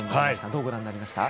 どうご覧になりました？